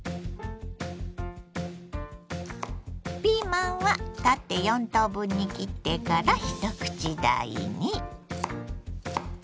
ピーマンは縦４等分に切ってから一口大に。